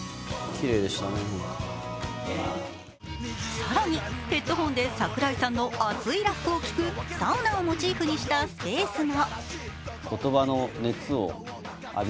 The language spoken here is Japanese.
更に、ヘッドホンで櫻井さんの熱いラップを聴くサウナをモチーフにしたスペースも。